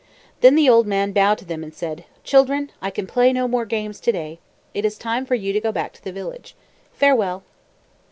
Then the old man bowed to them and said, "Children, I can play no more games to day. It is time for you to go back to the village. Farewell!"